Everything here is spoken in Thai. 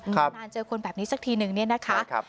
นานเจอคนแบบนี้สักทีนึงเนี่ยนะคะ